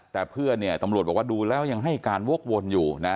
แต่เพื่อนเนี่ยตำรวจบอกว่าดูแล้วยังให้การวกวนอยู่นะ